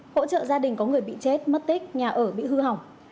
hỗ trợ gia đình có người bị chết mất tích nhà ở bị hư hỏng